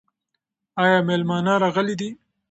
ایا مېلمانه راغلي دي؟